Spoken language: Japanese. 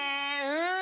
うん。